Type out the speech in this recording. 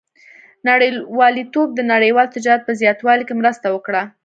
• نړیوالتوب د نړیوال تجارت په زیاتوالي کې مرسته وکړه.